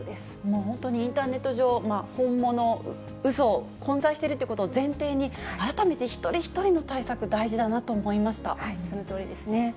本当にインターネット上、本物、うそ、混在しているということを前提に、改めて一人一人のそのとおりですね。